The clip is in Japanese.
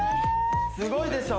すごいでしょ？